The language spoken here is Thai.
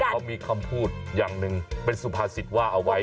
เขามีคำพูดอย่างหนึ่งเป็นสุภาษิตว่าเอาไว้